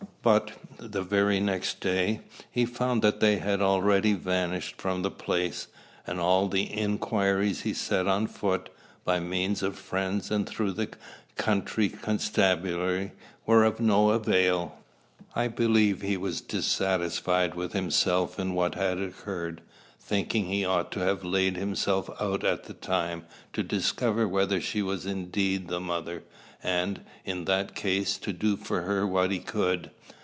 But, the very next day, he found that they had already vanished from the place; and all the inquiries he set on foot, by means of friends and through the country constabulary, were of no avail. I believe he was dissatisfied with himself in what had occurred, thinking he ought to have laid himself out at the time to discover whether she was indeed the mother, and, in that case, to do for her what he could.